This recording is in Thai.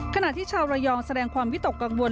ขณะที่ชาวระยองแสดงความวิตกกังวล